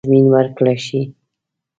تضمین ورکړه شي.